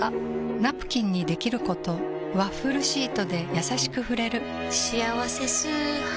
ナプキンにできることワッフルシートでやさしく触れる「しあわせ素肌」